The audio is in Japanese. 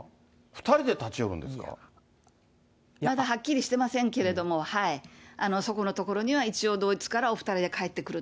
２人で立ち寄るんはっきりしてませんけども、そこのところには一応、ドイツにはお２人で帰ってくる。